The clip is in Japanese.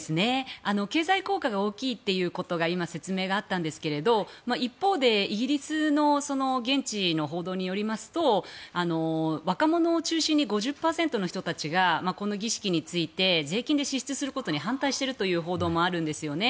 経済効果が大きいということが今、説明があったんですが一方で、イギリスの現地の報道によりますと若者を中心に５０％の人たちがこの儀式について税金で支出することに反対しているという報道もあるんですね。